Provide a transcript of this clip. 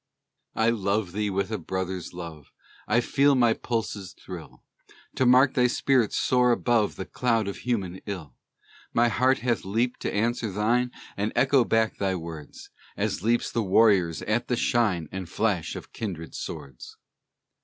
I love thee with a brother's love, I feel my pulses thrill, To mark thy spirit soar above The cloud of human ill. My heart hath leaped to answer thine, And echo back thy words, As leaps the warrior's at the shine And flash of kindred swords!